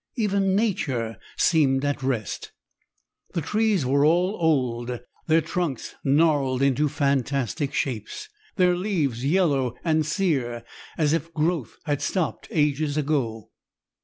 Even nature seemed at rest. The trees were all old, their trunks gnarled into fantastic shapes, their leaves yellow and sere as if growth had stopped ages ago.